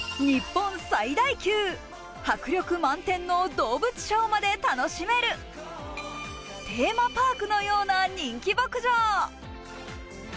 日本最大級、迫力満点の動物ショーまで楽しめる、テーマパークのような人気牧場。